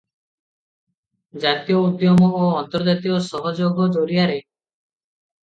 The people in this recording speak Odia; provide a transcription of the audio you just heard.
ଜାତୀୟ ଉଦ୍ୟମ ଓ ଆନ୍ତର୍ଜାତୀୟ ସହଯୋଗ ଜରିଆରେ ।